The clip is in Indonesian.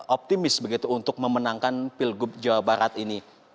optimis begitu untuk memenangkan pilgub jawa barat ini